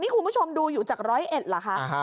คุณผู้ชมดูอยู่จากร้อยเอ็ดเหรอคะ